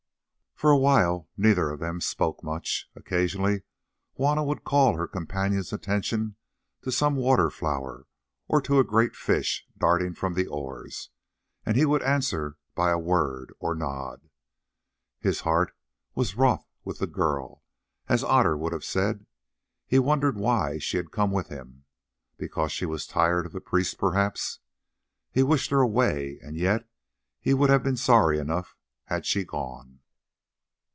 For a while neither of them spoke much. Occasionally Juanna would call her companion's attention to some water flower or to a great fish darting from the oars, and he would answer by a word or nod. His heart was wroth with the girl, as Otter would have said; he wondered why she had come with him—because she was tired of the priest perhaps. He wished her away, and yet he would have been sorry enough had she gone.